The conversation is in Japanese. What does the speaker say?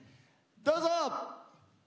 どうぞ！